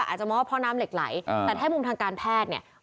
อาจจะมองว่าเพราะน้ำเหล็กไหลแต่ถ้ามุมทางการแพทย์เนี่ย